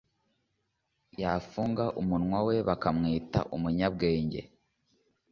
yafunga umunwa we, bakamwita umunyabwenge